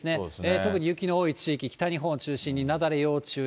特に雪の多い地域、北日本を中心に雪崩要注意。